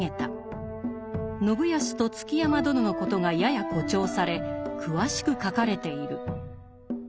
信康と築山殿のことがやや誇張され詳しく書かれている。